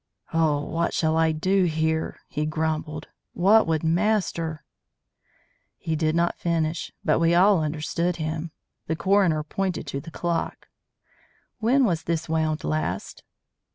"Oh, what shall I do here?" he grumbled. "What would master " He did not finish; but we all understood him. The coroner pointed to the clock. "When was this wound last?"